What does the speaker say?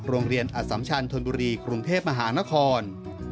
ออสัมชันธนบุรีกรุงเทพมหานคร